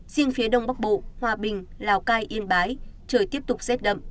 riêng phía đông bắc bộ hòa bình lào cai yên bái trời tiếp tục rét đậm